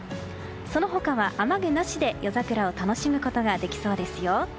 その他は雨具なしで夜桜を楽しむことができそうですよ。